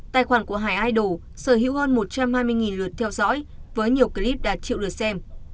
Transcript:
tài khoản của hải idor sở hữu hơn một trăm hai mươi lượt theo dõi với nhiều clip đạt triệu lượt xem